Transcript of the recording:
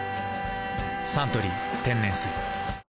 「サントリー天然水」